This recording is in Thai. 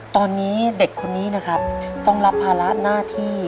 ตอนนี้เด็กคนนี้นะครับต้องรับภาระหน้าที่